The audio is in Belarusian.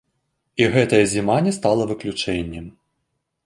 І гэтая зіма не стала выключэннем.